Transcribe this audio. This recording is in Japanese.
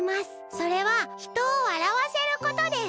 それはひとをわらわせることです。